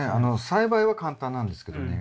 栽培は簡単なんですけどね